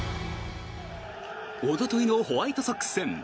おとといのホワイトソックス戦。